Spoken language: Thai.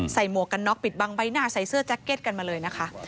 หมวกกันน็อกปิดบังใบหน้าใส่เสื้อแจ็คเก็ตกันมาเลยนะคะ